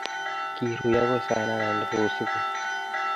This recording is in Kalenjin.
Kiru akoi saa nane nebo usiku.